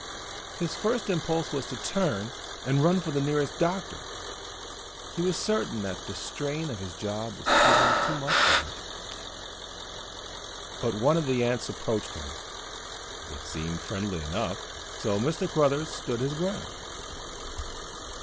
His first impulse was to turn and run for the nearest doctor. He was certain that the strain of his job was proving too much for him. But one of the ants approached him. It seemed friendly enough, so Mr. Cruthers stood his ground.